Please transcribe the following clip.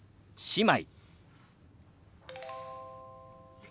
姉妹。